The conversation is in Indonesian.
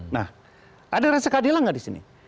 nah ada rasa keadilan nggak di sini